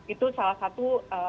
itu salah satu